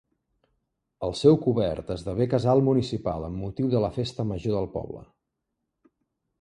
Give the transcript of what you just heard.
El seu cobert esdevé casal municipal amb motiu de la Festa Major del poble.